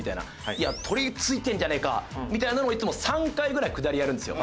「いや取りついてんじゃねえか」みたいなのをいつも３回ぐらいくだりやるんですよ。